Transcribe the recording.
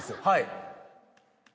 はい。